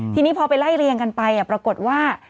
ทีนี้พอไปไล่เรียงกันไปปรากฏว่า